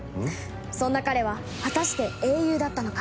そんな彼は果たして英雄だったのか？